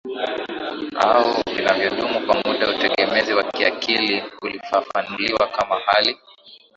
au vinavyodumu kwa muda Utegemezi wa kiakili ulifafanuliwa kama hali